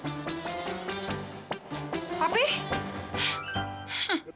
ketauan kamu ya